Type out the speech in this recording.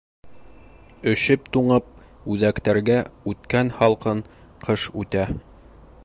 Өшөп-туңып үҙәктәргә үткән һалҡын ҡыш үтә.